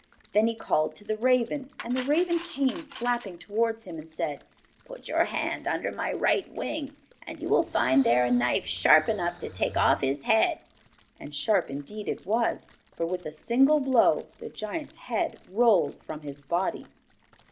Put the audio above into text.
Then he called to the raven, and the raven came flapping towards him, and said: 'Put your hand under my right wing, and you will find there a knife sharp enough to take off his head.' And sharp indeed it was, for with a single blow, the giant's head rolled from his body.